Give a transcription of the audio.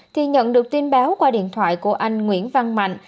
thì nhận được tin báo qua điện thoại của anh nguyễn văn mạnh